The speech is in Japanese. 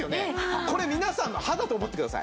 これ皆さんの歯だと思ってください。